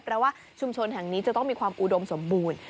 เพราะว่าชุมชนแห่งนี้จะต้องมีความอุดมสมบูรณ์